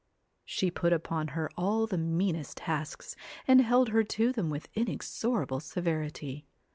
She put upon her all the meanest tasks, and held her to them with inexorable severity.